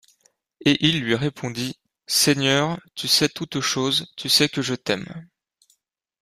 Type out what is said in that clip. Et il lui répondit: Seigneur, tu sais toutes choses, tu sais que je t'aime.